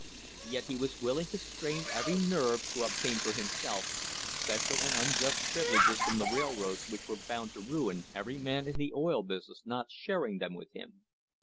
Yet he was willing to strain every nerve to obtain for himself special and unjust privileges from the railroads which were bound to ruin every man in the oil business not sharing them with him.